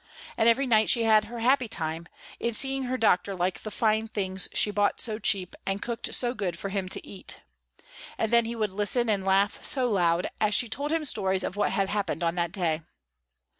And every night she had her happy time, in seeing her Doctor like the fine things she bought so cheap and cooked so good for him to eat. And then he would listen and laugh so loud, as she told him stories of what had happened on that day.